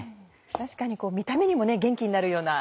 確かに見た目にも元気になるような。